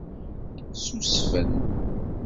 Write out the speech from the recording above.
Ssusfen.